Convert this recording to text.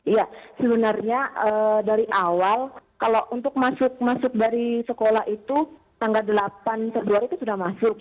iya sebenarnya dari awal kalau untuk masuk dari sekolah itu tanggal delapan februari itu sudah masuk